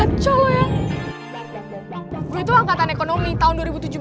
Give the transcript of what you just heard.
gue tuh angkatan ekonomi tahun dua ribu tujuh belas